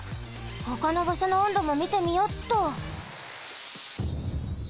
ほかのばしょの温度もみてみよっと。